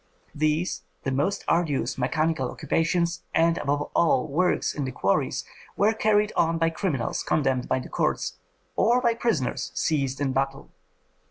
These, the most arduous mechanical occupations, and above all work in the quarries were carried on by criminals condemned by the courts, or by prisoners seized in battle.